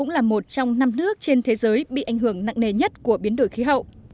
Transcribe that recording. là một trong năm nước trên thế giới bị ảnh hưởng nặng nề nhất của biến đổi khí hậu